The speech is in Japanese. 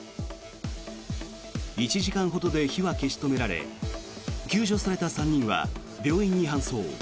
１時間ほどで火は消し止められ救助された３人は病院に搬送。